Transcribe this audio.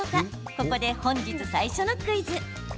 ここで、本日最初のクイズ。